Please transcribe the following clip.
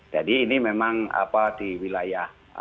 jadi ini memang di wilayah